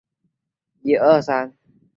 汉语有丰富的谦辞和敬辞。